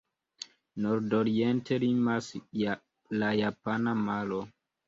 Nordoriente limas la Japana maro.